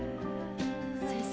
先生。